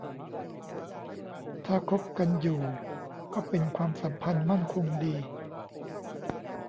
ถ้าคบกันอยู่ก็เป็นความสัมพันธ์มั่นคงดี